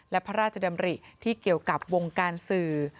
และพระราชดำริที่เกี่ยวกับวงการสื่อ